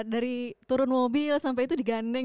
dari turun mobil sampai itu digandeng buheti nya